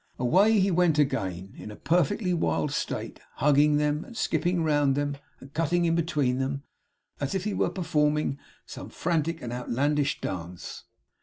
Away he went again, in a perfectly wild state, hugging them, and skipping round them, and cutting in between them, as if he were performing some frantic and outlandish dance.